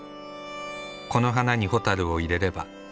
この花にホタルを入れれば。